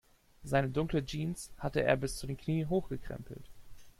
Seine dunkle Jeans hatte er bis zu den Knien hochgekrempelt.